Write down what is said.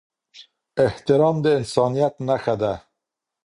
احترام د انسانيت نښه ده.